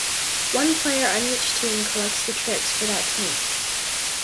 One player on each team collects the tricks for that team.